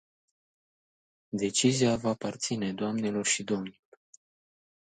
Decizia vă aparține, doamnelor și domnilor.